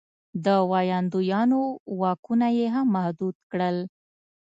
د ویاندویانو واکونه یې هم محدود کړل.